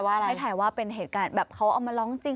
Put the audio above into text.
เขาไม่ได้เล่นเพลงเล่นอะไรกันจริง